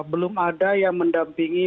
belum ada yang mendampingi